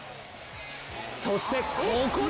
そしてここで！